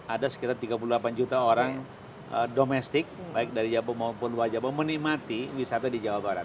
ada sekitar tiga puluh delapan juta orang domestik baik dari jabo maupun luar jawa menikmati wisata di jawa barat